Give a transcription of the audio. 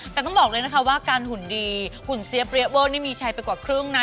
แต่ต้องบอกเลยนะคะว่าการหุ่นดีหุ่นเสียเรียเวอร์นี่มีชัยไปกว่าครึ่งนะ